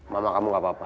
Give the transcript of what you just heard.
mama kamu enggak apa apa